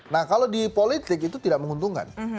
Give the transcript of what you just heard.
nah kalau di politik itu tidak menguntungkan